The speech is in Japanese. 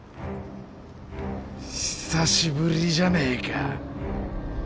久しぶりじゃねぇか。